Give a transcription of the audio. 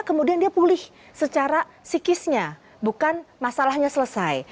kemudian dia pulih secara psikisnya bukan masalahnya selesai